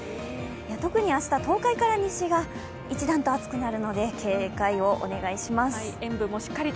特に明日、東海から西が一段と暑くなるので、警戒をお願いします。